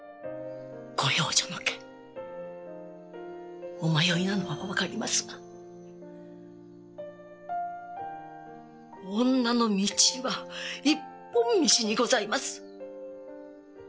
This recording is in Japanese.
ご養女の件お迷いなのは分かりますが女の道は一本道にございます。